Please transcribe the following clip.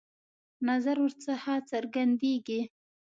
نظر ورڅخه څرګندېدی.